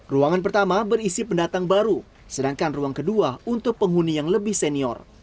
ruangan pertama berisi pendatang baru sedangkan ruang kedua untuk penghuni yang lebih senior